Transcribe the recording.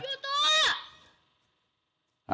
อยู่ตัว